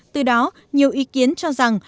từ đó nhiều ý kiến cho rằng